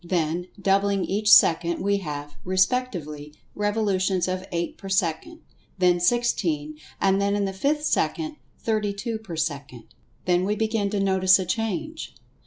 Then, doubling each second, we have, respectively, revolutions of eight per second, then sixteen, and then in the fifth second thirty two per second. Then we begin to notice a change.